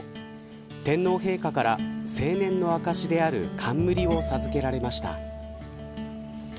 天皇陛下から成年の証しである冠を授けられました。